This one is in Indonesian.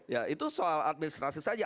ya itu soal administrasi saja